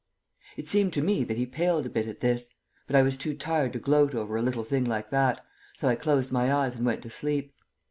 It seemed to me that he paled a bit at this, but I was too tired to gloat over a little thing like that, so I closed my eyes and went to sleep.